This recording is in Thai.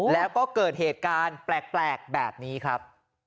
แล้วก็เกิดเหตุการณ์แปลกแบบนี้ครับ